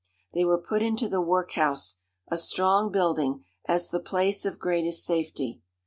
They were put into the workhouse, a strong building, as the place of greatest safety.